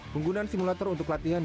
penggunaan simulator untuk latihan